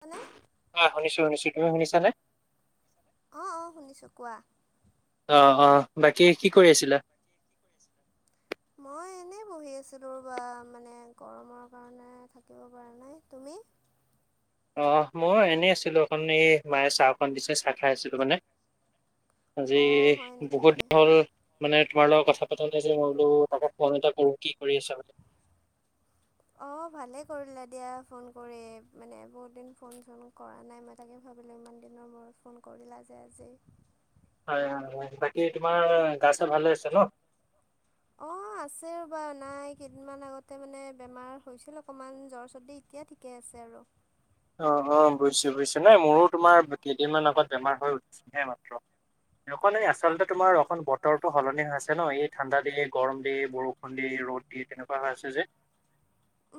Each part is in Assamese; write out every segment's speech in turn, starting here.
মানে হয় শুনিছো শুনিছো। তুমি শুনিছানে? অঁ অঁ শুনিছোঁ কোৱা? অ অ বাকী কি কৰি আছিলা? [inaudible] মই এনেই বহি আছিলোঁ ৰবা মানে গৰমৰ কাৰণে থাকিব পৰা নাই। তুমি? অঁ ময়ো এনেই আছিলোঁ অকণ এই মায়ে চাহ অকণ দিছে চাহ খাই আছিলোঁ মানে। আজি অঁ হয় নেকি বহুতদিন হ'ল মানে তোমাৰ লগত কথা পাতা নাই যে মই বোলো তাকে ফোন এটা কৰো। কি কৰি আছা মানে? অঁ ভালেই কৰিলা দিয়া ফোন কৰি মানে বহুত দিন ফোন চোন কৰা নাই মই তাকে ভাবিলোঁ ইমান দিনৰ মূৰত ফোন কৰিলা যে আজি। হয় হয় হয় বাকী তোমাৰ গা চা ভালে আছে ন? অ আছে ৰ'বা নাই কেইদিনমান আগতে মানে বেমাৰ হৈছিল অকণমান জ্বৰ চৰ্দি এতিয়া ঠিক ঠিকে আছে আৰু। অ অ বুজিছো বুজিছো নাই মোৰো তোমাৰ কেইদিনমান আগত বেমাৰ হৈ উঠিছেহে মাত্ৰ। একো নাই অঁ আচলতে তোমাৰ অকন বত বতৰটো সলনি হৈ আছে ন, এই ঠাণ্ডা দিয়ে গৰম দিয়ে বৰষুণ দিয়ে ৰ'দ দিয়ে তেনেকুৱা হৈ আছে যে।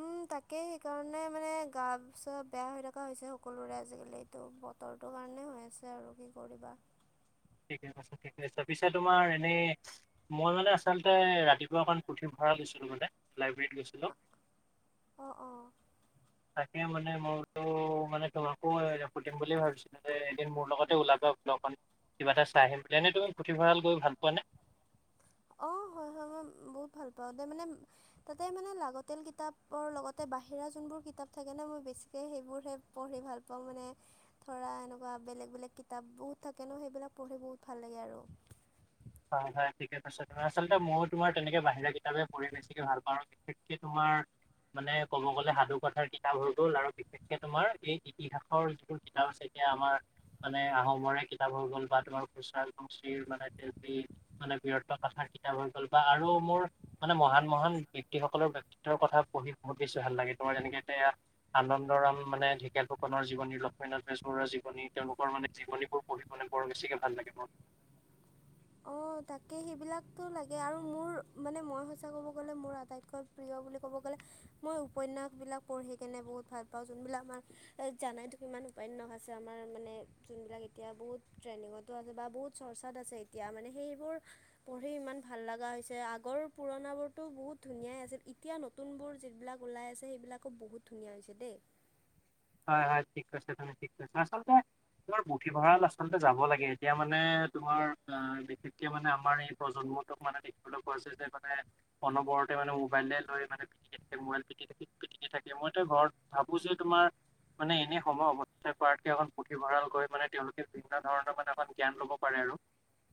উম তাকেই সেইকাৰণে মানে গা চা বেয়া হৈ থকা হৈছে সকলোৰে আজিকালি। ত বতৰটোৰ কাৰণে হৈ আছে আৰু, কি কৰিবা। ঠিকে আছে ঠিকে আছে পিছে তোমাৰ এনেই মই মানে আচলতে ৰাতিপুৱা অকন পুথি ভাড়া লৈছিলোঁ মানে লাইব্ৰেৰীত গৈছিলো [inaudible] অঁ অঁ তাকে মানে মইতো মানে তোমাকো এ সুধিম বুলি ভাবিছো। এদিন মোৰ লগতে ওলাবা ব্লকত, কিবা এটা চাই আহিম বুলি, এনে তুমি পুথিভঁৰাল গৈ ভাল পোৱা নে? অ হয় হয় মই বহুত ভাল পাওঁ দে মানে তাতে মানে লাগতিয়াল কিতাপৰ লগতে বাহিৰা যোনবোৰ কিতাপ থাকেনে মই বেছিকে সেইবোৰহে পঢ়ি ভাল পাওঁ মানে ধৰা এনেকুৱা বেলেগ বেলেগ কিতাপ বহুত থাকে ন, সেইবিলাক পঢ়ি বহুত ভাল লাগে আৰু। হয় হয় ঠিকে আছে ত আচলতে ময়ো তোমাৰ তেনেকে বাহিৰা কিতাপে পঢ়ি বেছিকে ভাল পাওঁ। বিশেষকে তোমাৰ মানে ক'ব গ'লে সাধু কথাৰ কিতাপ হৈ গ'ল আৰু পি তোমাৰ এই ইতিহাসৰ যিবোৰ কিতাপ আছে এতিয়া আমাৰ মানে আহোমৰে কিতাপ হৈ গ'ল বা [inaudible] মানে মানে বিৰত্ব কথাৰ কিতাপ হৈ গ'ল বা আৰু মোৰ মানে মহান মহান ব্যক্তিসকলৰ বক্তিত্বৰ কথা পঢ়ি বহুত বেছি ভাল লাগে তোমাৰ যেনেকে এতিয়া আনন্দৰাম মানে ঢেকীয়াল ফুকনৰ জীৱনী, লক্ষ্মীনাথ বেজবৰুৱাৰ জীৱনী তেওঁলোকৰ মানে জীৱনীবোৰ পঢ়ি মানে বৰ বেছিকে ভাল লাগে মোৰ। অঁ তাকে সেইবিলাকতো লাগে আৰু মোৰ মানে মই সঁচা ক'ব গ'লে মোৰ আটাইতকৈ প্ৰিয় বুলি ক'ব গ'লে মই উপন্যাস বিলাক পঢ়ি কেনে বহুত ভাল পাওঁ যোনবিলাক আমাৰ জানাই টো কিমান উপন্যাস আছে আমাৰ মানে যোনবিলাক এতিয়া বহুত ট্ৰেন্ডিঙতো আছে বা বহুত চৰ্চাত আছে এতিয়া মানে সেইবোৰ পঢ়ি ইমান ভাল লগা হৈছে আগৰ পুৰণাবোৰতো বহুত ধুনীয়াই আছিল এতিয়া ন নতুনবোৰ যিবিলাক ওলাই আছে সেইবিলাকো বহুত ধুনীয়া হৈছে দেই। হয় হয় ঠিক কৈছা তুমি ঠিক কৈছা আচলতে তোমাৰ পুথি ভঁৰা়ল আচলতে যাব লাগে, এতিয়া মানে তোমাৰ অ বিশেষকে মানে আমাৰ এই প্ৰজন্মত মানে দেখিবলৈ পোৱা যায় যে মানে অনবৰতে মানে মোবাইল লৈ মানে মোবাইল পি [inaudible] থ পিটিকি থাকে মই তো ঘৰত ভাবো যে তোমাৰ মানে এনে সময় অৱ [unintelligible] কৰাতকে হল পুথিভঁৰাল গৈ মানে তেওঁলোকে বিভিন্ন ধৰণৰ মানে এখন জ্ঞান ল'ব পাৰে আৰু।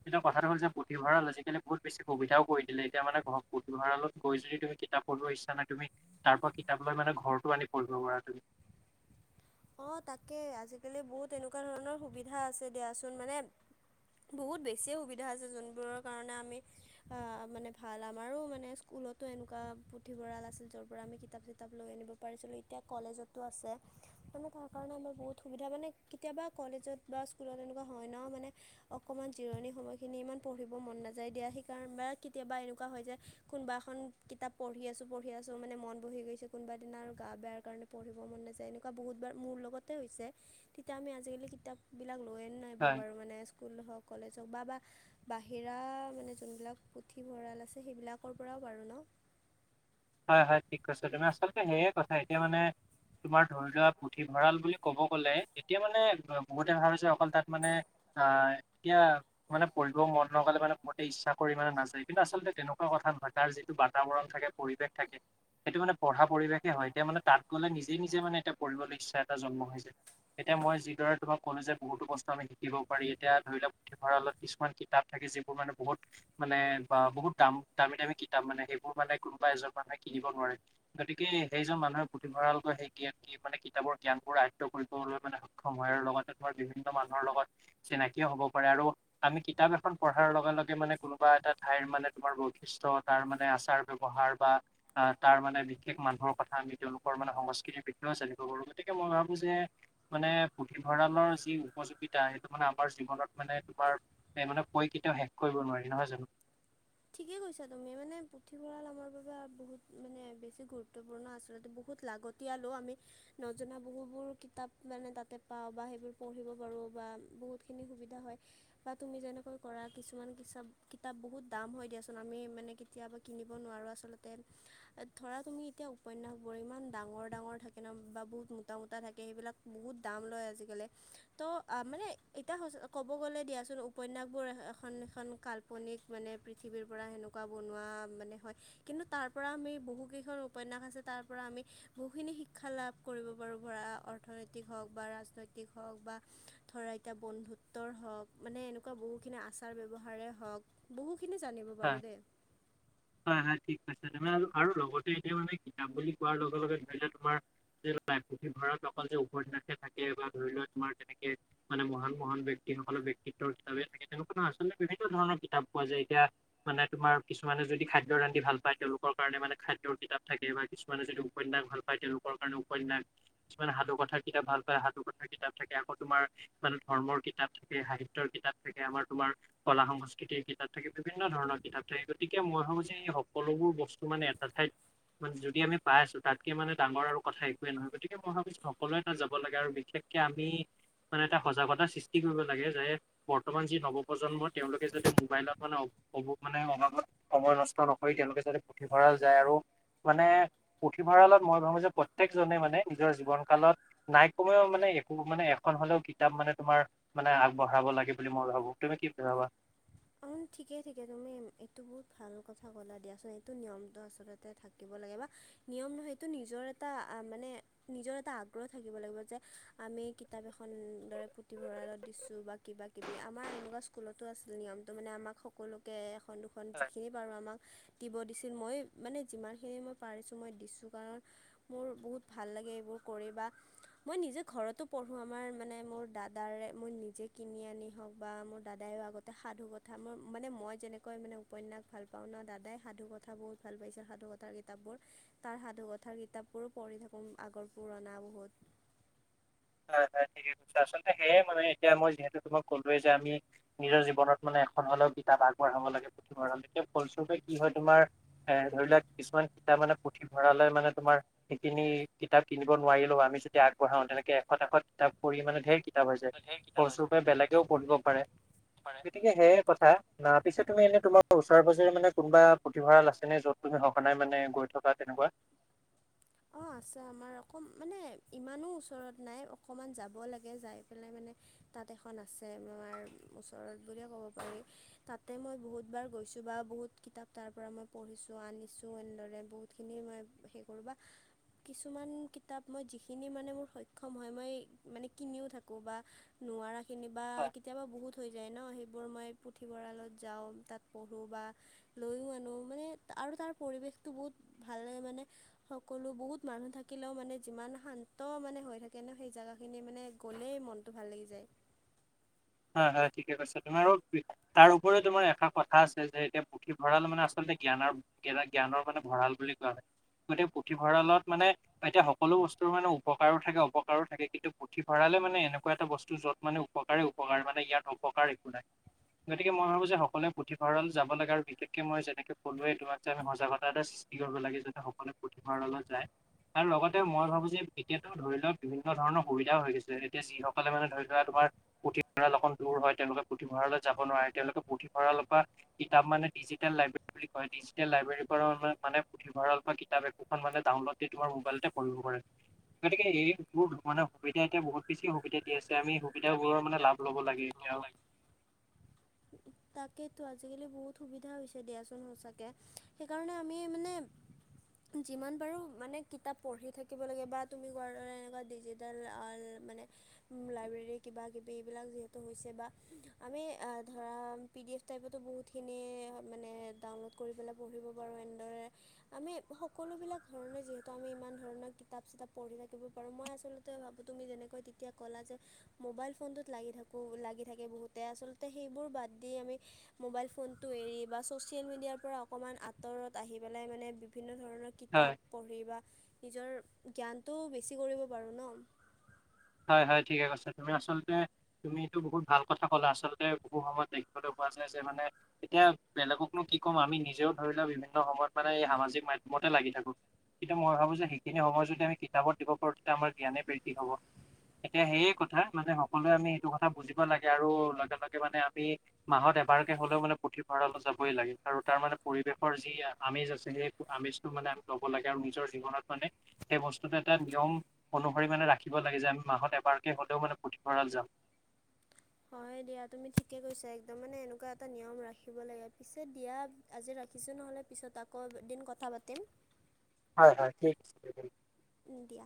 এতিয়া কথাটো হল যে পুথিভঁৰাল আজিকালি বহুতো বেছি সুবিধাও কৰি দিলে, এতিয়া মানে ঘ পুথিঁৰালত গৈ যদি তুমি কিতাপ পঢ়িব ইচ্ছা নাই তুমি তাৰ পৰা কিতাপ লৈ মানে ঘৰতো আনি পঢ়িব পাৰা তুমি। অ তাকে আজিকালি বহুত এনেকুৱা ধৰণৰ সুবিধা আছে দিয়াচোন মানে বহুত বেছিয়ে সুবিধা আছে যোনবোৰৰ কাৰণে আমি আ মানে ভাল আমাৰো মানে স্কুলতো এনেকুৱা পুথিভঁৰাল আছিল যৰ পৰা আমি কিতাপ চিতাপ লৈ আনিব পাৰিছিলোঁ এতিয়া কলেজতো আছে। মানে তাৰ কাৰণে আমাৰ বহুত সুবিধা মানে কেতিয়াবা কলেজত বা স্কুলত এনেকুৱা হয় ন' মানে অকণমান জিৰণি সময়খিনি ইমান পঢ়িব মন নাযায় দিয়া, সেইকাৰণে বা কেতিয়াবা এনেকুৱা হয় যে কোনোবা এখন কিতাপ পঢ়ি আছো পঢ়ি আছো মানে মন বহি গৈছে কোনোবা দিনা আৰু গা বেয়াৰ কাৰণে পঢ়িব মন নাযায় এনেকুৱা বহুত মোৰ লগতে হৈছে তেতিয়া আমি আজিকালি কিতাপবিলাক লৈয়ে নাই হয় বাৰু মানে স্কুল হওক কলেজ হওক বা বা বাহিৰা মানে যোনবিলাক পুথিভঁৰাল আছে সেইবিলাকৰ পৰাও বাৰু ন'। হয়, হয় ঠিক কৈছ তুমি আচলতে সেয়ে কথা এতিয়া মানে তোমাৰ ধৰি লোৱা পুথিভঁৰাল বুলি ক'ব গ'লে এতিয়া মানে বহুতে ভাৱে অকল তাত মানে হয়। এতিয়া মানে পঢ়িব মন নগলে মানে মতে বহুতে ইচ্ছা কৰি মানে নাযায় কিন্তু আচলতে তেনেকুৱা কথা নহয় তাৰ যে টো বাৰ্তাবৰণ থাকে পৰিৱেশ থাকে সেইটো মানে পঢ়া পৰিৱেশে হয় এতিয়া মানে তাত মানে নিজে নিজে মানে পঢ়িবলৈ ইচ্ছা এটা জন্ম হৈছে। এতিয়া মই যিদৰে তোমাক ক'লো যে বহুতো বস্তু আমি শিকিব পাৰি এতিয়া ধৰি লওক ভঁৰালত কিছুমান কিতাপ থাকে যিবোৰ মানে বহুত মানে বা বহুত দাম দামী দামী কিতাপ মানে সেইবোৰ মানে কোনোবা এজন মানুহে কিনিব নোৱাৰে। গতিকে সেইজন মানুহে পুথিভঁৰাল সেই জ্ঞা এই মানে কিতাপৰ জ্ঞানবোৰ আয়ত্ব কৰিবলৈ মানে সক্ষম হয় আৰু লগতে ধৰ বিভিন্ন মানুহৰ লগত চিনাকিও হ'ব পাৰে আৰু আমি কিতাপ এখন পঢ়াৰ লগে লগে মানে কোনোবা এটা ঠাইৰ মানে তোমাৰ বৈশিষ্ট্য তাৰ মানে আচাৰ ব্যৱহাৰ বা আহ তাৰ মানে বিশেষ মানুহৰ কথা আমি তেওঁলোকৰ মানে সংস্কৃতিৰ বিষয়েও জানিব পাৰোঁ গতিকে মই ভাবো যে মানে পুথিভঁৰালৰ যি উপযোগিতা সেইটো মানে আমাৰ জীৱনত মানে তোমাৰ এই মানে পঢ়ি কেতিয়াও শেষ কৰিব নোৱাৰি নহয় জানো। ঠিকেই কৈছা তুমি মানে পুথিভঁৰাল আমাৰ বাবে বহুত মানে বেছি গুৰুত্বপূৰ্ণ আচলতে বহুত লাগত তিলয়া অ আমি নজনা বহুবোৰ কিতাপ মানে তাতে পাওঁ বা সেইবোৰ পঢ়িব পাৰোঁ বা বহুতখিনি সুবিধা হয়। বা তুমি যেনেকৈ কৰা কিছুমান কচাপ কিতাপ বহুত দাম হয় দিয়াচোন আমি মানে কেতিয়াবা কিনিব নোৱাৰোঁ আচলতে ধৰা তুমি এতিয়া উপন্যাসবোৰ ইমান ডাঙৰ ডাঙৰ থাকে ন' বা বহুত মোটা মোটা থাকে সেইবিলাক বহুত দাম লয় আজিকালি। তো আ মানে এতিয়া ক'ব গ'লে দিয়াচোন উপন্যাসবোৰ এখন এখন কাল্পনিক মানে পৃথিৱীৰ পৰা সেনেকুৱা বনোৱা মানে হয়। কিন্তু তাৰ পৰা আমি বহুকেইখন উপন্যাস আছে তাৰ পৰা আমি বহুখিনি শিক্ষা লাভ কৰিব পাৰোঁ ধৰা অৰ্থনৈতিক হওঁক বা ৰাজনৈতিক হওঁক বা ধৰা এতিয়া বন্ধুত্বৰ হক মানে এনেকুৱা বহুখিনি আচাৰ ব্যৱহাৰে হক বহুখিনি জানিব হয়, পাৰোঁ দেই। [unintelligible] হয়, হয় ঠিক কৈছে তেনে আৰু লগতে এতিয়া মানে কিতাপ বুলি কোৱাৰ লগে লগে ধৰি লোৱা তোমাৰ যিহেতু পুথিভঁৰাৰত অকল যে ওপৰত ৰাখে থাকে বা ধৰি লোৱা তোমাৰ তেনেকে মানে মহান মহান ব্যক্তিসকলৰ ব্যক্তিত্বৰ কিতাপে থাকে তেওঁলোকৰ আচলতে বিভিন্ন ধৰণৰ কিতাপ পোৱা যায় এতিয়া মানে তোমাৰ কিছুমানে যদি খাদ্য ৰান্ধি ভাল পায় তেওঁলোকৰ কাৰণে মানে খাদ্যৰ কিতাপ থাকে বা কিছুমানে যদি উপন্যাস ভাল পায় তেওঁলোকৰ কাৰণে উপন্যাস কিছুমান সাধু কথাৰ কিতাপ ভাল পায় সাধু কথাৰ কিতাপ থাকে আকৌ তোমাৰ মানে ধৰ্মৰ কিতাপ থাকে সাহিত্যৰ কিতাপ থাকে আমাৰ তোমাৰ কলা সংস্কৃতিৰ কিতাপ থাকে। বিভিন্ন ধৰণৰ কিতাপ থাকে গতিকে মই ভাবো যে এই সকলোবোৰ বস্তু মানে এটা ঠাইত মানে যদি আমি পাই আছো তাতকে মানে ডাঙৰ আৰু কথা একোৱেই নহয় গতিকে মই ভাবোঁ সকলোৱে তাত যাব লাগে আৰু বিশেষ কে আমি মানে এটা সজাগতা সৃষ্টি কৰিব লাগে যে বৰ্তমান যি নৱপ্ৰজন্ম তেওঁলোকে যাতে মোবাইলত মানে অবোব' মানে অবাবত সময় নষ্ট নকৰি তেওঁলোকে যাতে পুথিভঁৰাল যায় আৰু মানে পুথিভঁৰালত মই ভাবো যে প্ৰত্যকজনে মানে নিজৰ জীৱন কালত নাই কমেও মানে একো মানে এখন হলেও কিতাপ মানে তোমাৰ, মানে আগবঢ়াব লাগে বুলি মই ভাবোঁ। তুমি কি বুলি ভাবা? অম ঠিকে ঠিকে তুমি এইটো বহুত ভাল কথা ক'লা দিয়াচোন। এইটো নিয়মটো আচলত তে থাকিব লাগে বা নিয়ম সেইটো নিজৰ এটা আ মানে নিজৰ এটা আগ্ৰহ থাকিব লাগিব যে আমি কিতাপ এখন দৰে পুথিভঁৰালত দিছোঁ বা কিবা - কিবি আমাৰ এনেকুৱা স্কুলত টো আছিল নিয়মটো মানে আমাক সকলোকে এখন দুখন হয় যিখিনি পাৰোঁ আমাক দিব দিছিল। মই মানে যিমানখিনি মই পাৰিছোঁ মই দিছোঁ কাৰণ মোৰ বহুত ভাল লাগে এইবোৰ কৰি বা মই নিজে ঘৰতো পঢ়ো আমাৰ মানে মোৰ দাদাৰে মই নিজে কিনি আনি হওঁক বা মোৰ দাদাইও আ গতে সাধু কথা মই মানে মই যেনেকৈ মানে উপন্যাস ভাল পাওঁ ন, দাদাই সাধু কথা বহুত ভাল পাইছিল। সাধু কথ তাৰ কিতাপবোৰ, তাৰ সাধুকথাৰ কিতাপবোৰো পঢ়ি থাকোঁ আগৰ পুৰণা বহুত। হয় হয় ঠিকে কৈছা। আচলতে সেয়ে মানে এতিয়া মই যিহেতু তোমাক কলোৱে যে আমি নিজৰ জীৱনত মানে এখন হলেও কিতাপ আগবঢ়াব লাগে। পুথিভঁৰালত এতিয়া ফলস্বৰূপে কি হয় তোমাৰ এ, ধৰি লওক কিছুমান কিতাপ মানে পুথিভঁৰালে মানে তোমাৰ সেইখিনি কিতাপ কিনিব নোৱাৰিলেও আমি যদি আগবঢ়াও তেনেকে শত এশত কিতাপ পঢ়ি মানে ঢেৰ কিতাপ হৈ যায় ধেৰ কিতাপ আছে ফলস্বৰূপে বেলেগেও পঢ়িব পাৰে। পাৰে কেতে এ সেয়ে কথা। আ' পিছে তুমি এনে তোমাৰ ওচৰে - পাজৰে মানে কোনোবা পুথিভঁৰাল আছে নে যত তুমি সঘনাই মানে গৈ থকাত তেনেকুৱা? [unintelligible] অঁ আছে। আমাৰ অক মানে ইমানো ওচৰত নাই অকণমান যাব লাগে যাই পেলাই মানে তাত এখন আছে আমাৰ ওচৰত বুলিও ক'ব পাৰি। তাতে মই বহুতবাৰ গৈছোঁ বা বহুত কিতাপ তাৰ পৰা মই পঢ়িছোঁ, আনিছোঁ এনেদৰে বহু খিনি মই সে কৰোঁ বা কিছুমান কিতাপ মই যিখিনি মানে মোৰ সক্ষম হয়। মই মানে কিনিও থাকোঁ বা নোৱাৰাখিনি বা কেতিয়াবা বহুত থৈ যায় ন। সেইবোৰ মই পুথিভঁৰালত যাওঁ তাত পঢ়োঁ বা লৈয়ো আনো মানে আৰু তাৰ পৰিৱেশটো বহুত ভাল লাগে মানে সকলো বহুত মানুহ থাকিলেও মানে যিমান শান্ত মানে হৈ থাকে ন, সেই জেগাখিনি মানে গ'লেই মন টো ভাল লাগি যায়। হয় হয় ঠিকে কৈছা। তোমাৰ আৰু বি তাৰ উপৰিও তোমাৰ এটা কথা আছে যে এতিয়া পুথিভঁৰাল মানে আচলতে জ্ঞানৰ গেদা জ্ঞানৰ মানে ভঁৰাল বুলি কোৱা হয় গতিকে পুথিভঁৰালত মানে এতিয়া সকলো বস্তুৰ মানে উপকাৰো থাকে অপকাৰো থাকে কিন্তু পুথিভঁৰালে মানে এনেকুৱা এটা বস্তু যত মানে উপকাৰে উপকাৰ মানে ইয়াত অপকাৰ একো নাই। গতিকে মই ভাবো যে সকলোৱে পুথিভঁৰাল যাবা লাগে আৰু বিশেষকে মই যেনেকৈ কলোৱেই তোমাক যে আমি সজাগত এটা সৃ ষ্টি কৰিব লাগে যাতে সকলোৱে পুথিভৰালত যায়। আৰু লগতে মই ভাবো যে এতিয়াাতো ধৰি লোৱা বিভিন্ন ধৰণৰ সুবিধাও হৈ গৈছে। এতিয়া যিসকলে মানে ধৰি লোৱা তোমাৰ ভঁৰাল অলপ দূৰ হয়। তেওঁলোকে পুথিভঁৰালৈ যাব নোৱাৰে, তেওঁলোকে পুথিভঁৰালৰ পৰা কিতাপ মানে ডিজিটেল লাইব্ৰেৰী বুলি কয়। ডিজিটেল লাইব্ৰেৰীৰ পৰা মানে কিবা ৰল পাই কিতাপ একোখন মানে ডাউনলোড তোমাৰ মোবাইলতে কৰিব পাৰে। গতিকে এইবোৰ মানে সুবিধা এতিয়া বহুত বেছি সুবিধা দি আছে। আমি আমি সুবিধাবোৰৰ মানে সুবিধা লাভ ল'ব লাগে ল'ব এতিয়া লাগে। [unintelligible] তাকেতো আজিকালি বহুত সুবিধা হৈছে দিয়াচোন সঁচাকে। সেইকাৰণে আমি মানে যিমান পাৰোঁ মানে কিতাপ পঢ়ি থাকিব লাগে। বা তোমি কোৱাৰ দৰে এনেকুৱা ডিজিটেল, ডাল মানে লাইব্ৰেৰী কিবাকিবি এইবিলাক যিহেতু হৈছে বা আমি ধৰা পি ডি এফ টাইপতো বহুত, খিনি মানে ডাউনলোড কৰি পেলাই পঢ়িব পাৰোঁ। এনেদৰে, আমি সকলোবিলাক ধৰণে যিহেতু আমি ইমান ধৰণৰ কিতাপ চিতাপ পঢ়ি থাকিব পাৰোঁ মই আচলতে ভাবো তুমি যেনেকৈ তেতিয়া ক'লা যে মোবাইল ফোনটোত লাগি থাকোঁ লাগি থাকে বহুতে আচলতে সেইবোৰ বাদ দি আমি মোবাইল ফোনটো এৰি বা ছ'চিয়েল মিডিয়াৰ পৰা অকণমান আঁতৰত আহি পেলাই মানে বিভিন্ন ধৰণৰ হয় কিতাপ পঢ়ি বা নিজৰ জ্ঞানটোও বেছি কৰিব পাৰোঁ ন হয় হয় ঠিকে কৈছো তুমি আচলতে তুমিতো বহুত ভাল কথা ক'লা আচলতে বহু সময়ত দেখিবলৈ পোৱা যায় যে মানে এতিয়া বেলেগকনো কি ক'ম আমি নিজেও ধৰি লোৱা বিভিন্ন সময়ত মানে এই সামাজিক মাধ্যমতে লাগি থাকো কিন্তু মই ভাবো যে সেইখিনি সময় যদি আমি কিতাপ দিব পাৰো তেতি আমাৰ জ্ঞানে বৃদ্ধি হ'ব এতিয়া সেয়ে কথা মানে সকলোৱে আমি সেইটো কথা বুজিব লাগে আৰু লগে লগে মানে আমি মাহত এবাৰকে হলেও মানে পুথিভঁৰাললৈ যাবই লাগে আৰু তাৰ মানে পৰিৱেশৰ যি আমেজ আছে। সেই আমেজটো মানে ল'ব লাগে আৰু নিজৰ জীৱনত মানে সেই বস্তুটো এটা নিয়ম অনুসৰি মানে ৰাখিব লাগে যে আমি মাহত এবাৰকে হলেও মানে পুথিভঁৰাল যাম হয় দিয়া তুমি ঠিকে কৈছা একদম মানে এনেকুৱা এটা নিয়ম ৰাখিব লাগে পিছে দিয়া আজি ৰাখিছোঁ নহ'লে পিছত আকৌ এদিন কথা পাতিম হয় হয় ঠিক আছে ইণ্ডিয়া